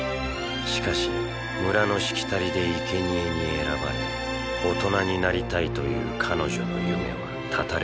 しかし村のしきたりで生贄に選ばれ大人になりたいという彼女の夢は絶たれようとしていた。